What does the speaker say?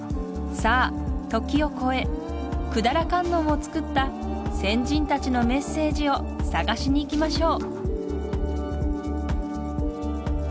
さあ時を超え百済観音を作った先人たちのメッセージを探しに行きましょう